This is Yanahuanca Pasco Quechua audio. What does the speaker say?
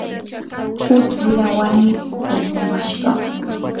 huk wira warmi kumamashqam.